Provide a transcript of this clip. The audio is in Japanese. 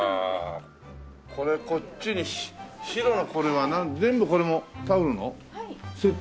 これこっちに白のこれは全部これもタオルのセット？